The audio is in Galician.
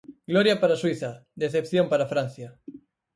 Gloria para Suíza, decepción para Francia.